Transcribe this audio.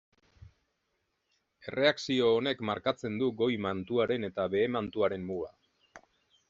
Erreakzio honek markatzen du goi-mantuaren eta behe-mantuaren muga.